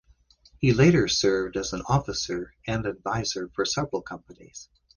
He later served as an officer and advisor for several companies.